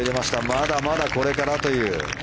まだまだこれからという。